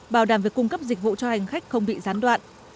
bảo đảm việc cung cấp dịch vụ cho hành khách không bị gián đoạn